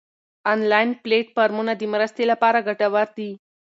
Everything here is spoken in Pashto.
انلاین پلیټ فارمونه د مرستې لپاره ګټور دي.